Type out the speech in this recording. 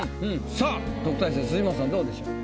さあ特待生辻元さんどうでしょう？